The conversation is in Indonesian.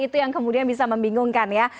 itu yang kemudian bisa membingungkan ya